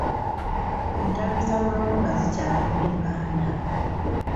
Entalo z'amawanga zikyalimu mu Uganda.